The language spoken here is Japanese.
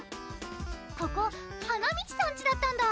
⁉ここ華満さんちだったんだ！